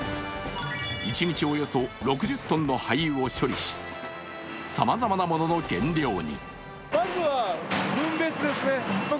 一日およそ６０ｔの廃油を処理し、さまざまなものの原料に。